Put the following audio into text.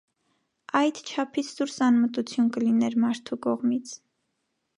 - այդ չափից դուրս անմտություն կլիներ մարդու կողմից…